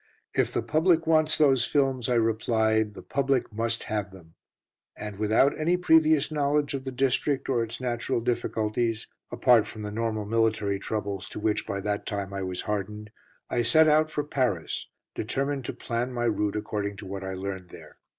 "If the public wants those films," I replied, "the public must have them." And without any previous knowledge of the district, or its natural difficulties, apart from the normal military troubles to which by that time I was hardened, I set out for Paris, determined to plan my route according to what I learned there.